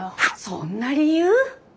そんな理由？